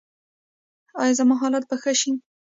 ایا زما حالت به ښه شي؟